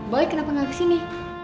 boy kenapa gak kesini